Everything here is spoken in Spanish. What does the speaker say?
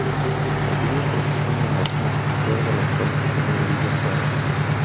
La lluvia provocó inundaciones, la peor de las cuales ocurrió en Villa Juárez.